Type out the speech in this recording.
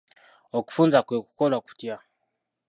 Okufunza kwe kukola kutya?